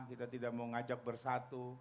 kita tidak mau ngajak bersatu